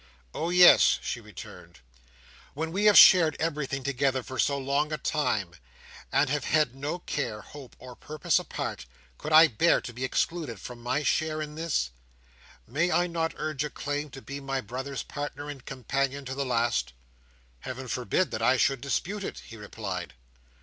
"Oh, yes," she returned "When we have shared everything together for so long a time, and have had no care, hope, or purpose apart, could I bear to be excluded from my share in this? May I not urge a claim to be my brother's partner and companion to the last?" "Heaven forbid that I should dispute it!" he replied.